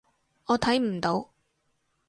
我睇唔到